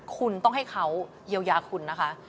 คุณต้องให้เขาเยียวยาคุณนะคะ